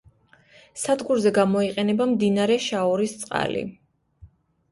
სადგურზე გამოიყენება მდინარე შაორის წყალი.